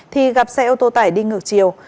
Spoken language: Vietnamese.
thì gặp xe ô tô tải đi ngược chiều